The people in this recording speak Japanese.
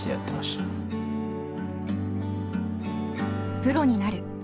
プロになる。